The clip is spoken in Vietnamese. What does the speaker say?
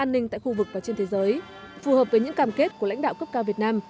an ninh tại khu vực và trên thế giới phù hợp với những cam kết của lãnh đạo cấp cao việt nam